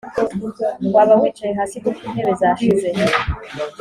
waba wicaye hasi kuko intebe zashije